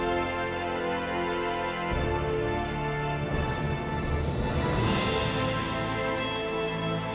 apa di dalam ini